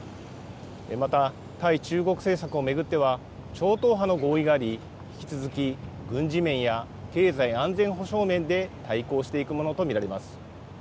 また、対中国政策を巡っては、超党派の合意があり、引き続き軍事面や経済安全保障面で対抗していくものと見られます。